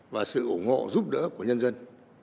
và sự ủng hộ giúp đỡ của nhân dân